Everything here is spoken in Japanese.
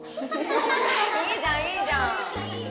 いいじゃんいいじゃん！